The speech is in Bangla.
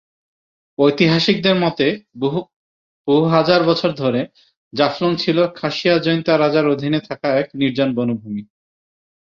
ঐতিহাসিকদের মতে বহু হাজার বছর ধরে জাফলং ছিল খাসিয়া জৈন্তা-রাজার অধীনে থাকা এক নির্জন বনভূমি।